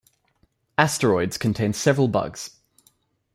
"Asteroids" contains several bugs.